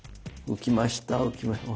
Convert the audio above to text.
浮きました。